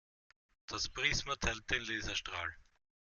Das Prisma teilt den Laserstrahl.